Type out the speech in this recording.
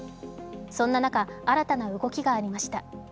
そんな中、新たな動きがありました。